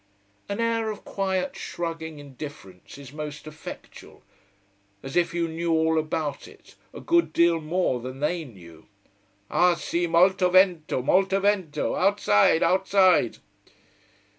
An air of quiet, shrugging indifference is most effectual: as if you knew all about it, a good deal more than they knew. "Ah si! Molto vento! Molto vento! Outside! Outside!"